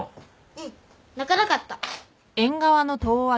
うん泣かなかった。